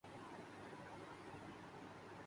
اسکے باعث بہت سی اقسام کے سر درد کا شافی علاج ہو سکتا ہے